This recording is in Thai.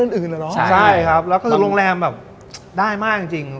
หมายถึงว่าศิลปินคนอื่นเหรอเนอะใช่ครับแล้วก็คือโรงแรมแบบได้มากจริง